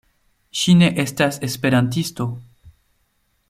Ŝi ne estas esperantisto.